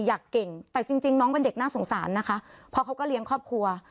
เก่งแต่จริงน้องเป็นเด็กน่าสงสารนะคะเพราะเขาก็เลี้ยงครอบครัว